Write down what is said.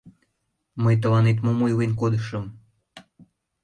— Мый тыланет мом ойлен кодышым!